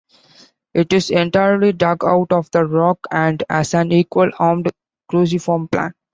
It is entirely dug out of the rock and has an equal-armed cruciform plan.